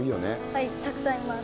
はい、たくさんいます。